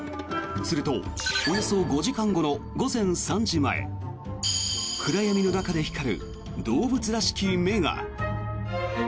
すると、およそ５時間後の午前３時前暗闇の中で光る動物らしき目が。